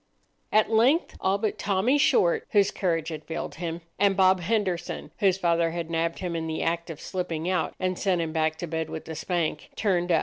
At length all but Tommy Short, whose courage had failed him, and Bob Henderson, whose father had nabbed him in the act of slipping out, and sent him back to bed with a spank, turned up.